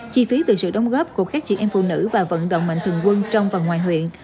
chi phí về sự đóng góp của các chị em phụ nữ và vận động mạnh thường quân trong và ngoài huyện